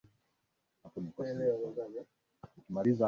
waziri wa usalama wa uganda daktari chris puskioga